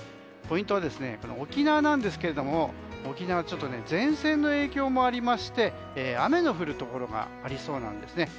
ポイントは沖縄ですが前線の影響もありまして雨の降るところがありそうです。